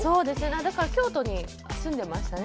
京都に住んでましたね。